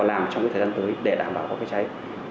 làm trong thời gian tới để đảm bảo có cái trái